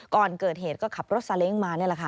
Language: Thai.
ก่อนเกิดเหตุก็ขับรถซาเล้งมา